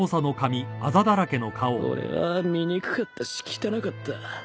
俺は醜かったし汚かった